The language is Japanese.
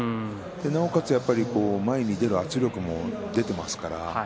なおかつ、前に出る圧力も出ています。